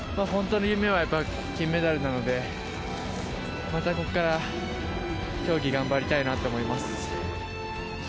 本当の夢はやっぱり金メダルなので、またここから競技、頑張りたいなと思います。